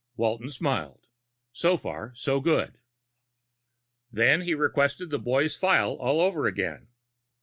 Walton smiled. So far, so good. Then, he requested the boy's file all over again.